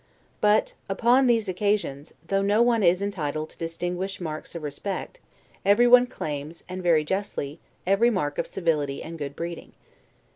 But, upon these occasions, though no one is entitled to distinguished marks of respect, everyone claims, and very justly, every mark of civility and good breeding.